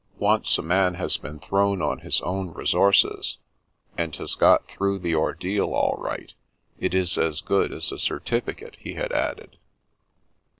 " Once a man has been thrown on his own resources, and has got through the ordeal all right, it is as good as a certificate," he had added.